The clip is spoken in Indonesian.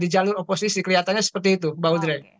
jalur oposisi kelihatannya seperti itu mbak audrey